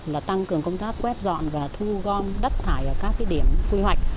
là tăng cường công tác quét dọn và thu gom đất thải ở các điểm quy hoạch